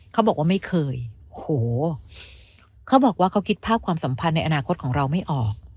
เขาบอกว่าไม่เคยโอ้โหเขาบอกว่าเขาคิดภาพความสัมพันธ์ในอนาคตของเราไม่ออก